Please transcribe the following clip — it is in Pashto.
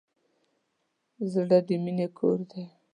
زړه د مینې کور دی.